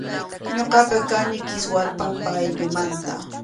Ñuqaqa kani Kiswarpampa ayllumanta.